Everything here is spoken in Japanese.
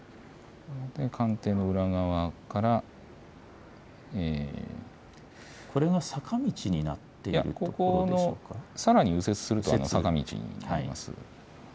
官邸の裏側から、これが坂道になっているんでしょうか、ここをさらに右折すると坂道になります。